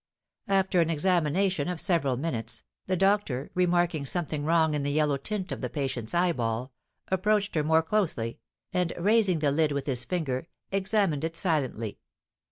After an examination of several minutes, the doctor, remarking something wrong in the yellow tint of the patient's eyeball, approached her more closely, and, raising the lid with his finger, examined it silently.